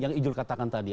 yang ijul katakan tadi